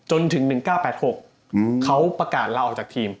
จนถึง๑๙๘๖เขาประกาศลาออกจากทีม